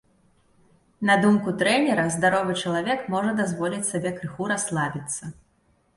На думку трэнера, здаровы чалавек можа дазволіць сабе крыху расслабіцца.